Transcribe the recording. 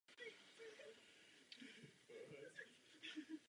Jenže rozsah se zvětšoval.